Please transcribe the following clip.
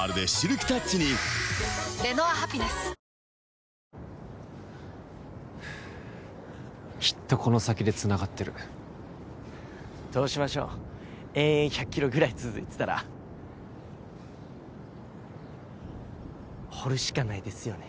キリン「陸」きっとこの先でつながってるどうしましょ延々１００キロぐらい続いてたら掘るしかないですよね